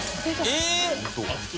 えっ？